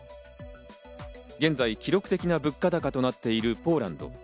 現在、記録的な物価高となっているポーランド。